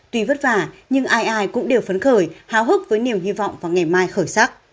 tuy vất vả nhưng ai ai cũng đều phấn khởi hào hức với niềm hy vọng vào ngày mai khởi sắc